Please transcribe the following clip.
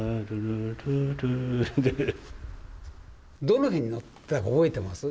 どの辺に乗ってたか覚えてます？